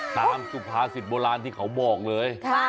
ตามสุพาสิทธิ์โบราณที่เค้าบอกเลย